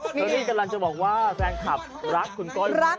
เจอรี่กำลังจะบอกว่าแฟนคลับรักคุณก้องห่วยไร่